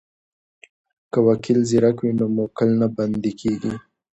که وکیل زیرک وي نو موکل نه بندی کیږي.